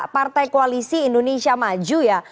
partai koalisi indonesia maju ya